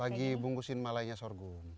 lagi bungkusin malainya sorghum